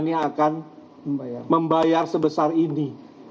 yang akan membayar sebesar ini